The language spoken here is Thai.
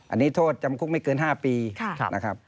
อันนี้โทษจำคุกไม่เกิน๕ปีนะครับ